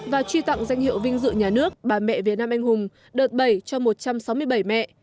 và truy tặng danh hiệu vinh dự nhà nước bà mẹ việt nam anh hùng đợt bảy cho một trăm sáu mươi bảy mẹ